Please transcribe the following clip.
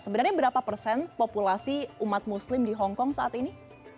sebenarnya berapa persen populasi umat muslim di hongkong saat ini